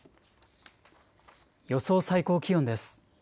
予想最高気温です。